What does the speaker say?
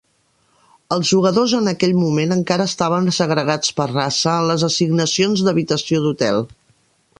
Els jugadors en aquell moment encara estaven segregats per raça en les assignacions d'habitació d'hotel.